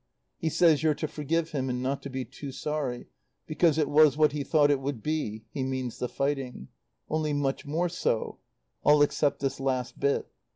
He says you're to forgive him and not to be too sorry, because it was what he thought it would be (he means the fighting) only much more so all except this last bit.